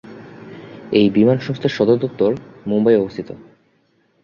এই বিমান সংস্থার সদর দপ্তর মুম্বাই এ অবস্থিত।